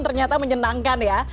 ternyata menyenangkan ya